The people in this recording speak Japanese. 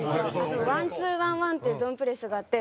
１‐２‐１‐１っていうゾーンプレスがあって。